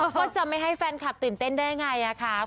ก็จะไม่ให้แฟนคลับตื่นเต้นได้ไงครับ